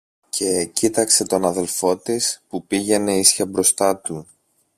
και κοίταξε τον αδελφό της που πήγαινε ίσια μπροστά του